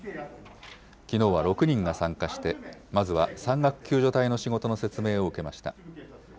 きのうは６人が参加して、まずは山岳救助隊の仕事の説明を受けました。